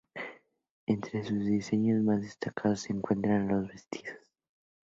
Entre sus diseños más destacados se encuentran los vestidos.